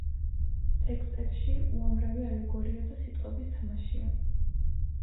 ტექსტებში უამრავი ალეგორია და სიტყვების თამაშია.